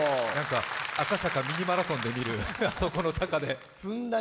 赤坂ミニマラソンで見るあそこの坂で。